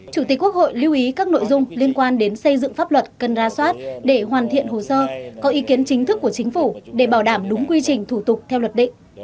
chủ tịch quốc hội lưu ý các nội dung liên quan đến xây dựng pháp luật cần ra soát để hoàn thiện hồ sơ có ý kiến chính thức của chính phủ để bảo đảm đúng quy trình thủ tục theo luật định